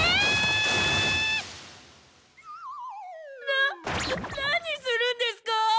なっ何するんですかぁ